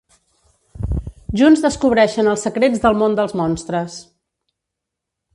Junts descobreixen els secrets del món dels monstres.